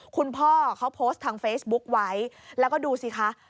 คุณพ่อเขาโพสต์ทางเฟซบุ๊กไว้แล้วก็ดูสิคะ